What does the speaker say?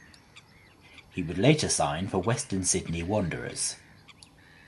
He would later sign for Western Sydney Wanderers.